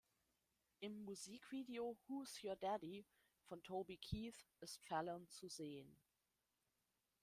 Im Musikvideo "Who’s your daddy" von Toby Keith ist Fallon zu sehen.